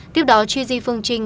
tiếp đó chi di phương trinh